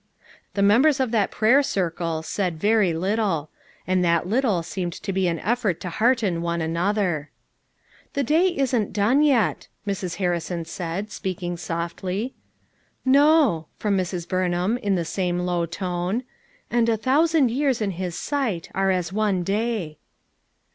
The members of that prayer circle said very little; and that little seemed to be an effort to hearten one another. "The day isn't done yet," Mrs. Harrison said, speaking softly. "No," from Mrs. Burnham in the same low tone. "And 'a thousand years in His sight are as one day.'